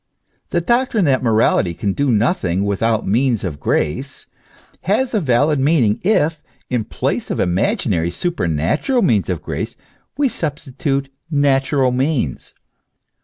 The doctrine that morality can clo nothing without means of grace, has a valid meaning if, in place of imaginary, supernatural means of grace, we substitute natural means.